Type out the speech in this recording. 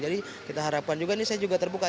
jadi kita harapkan juga ini saya juga terbuka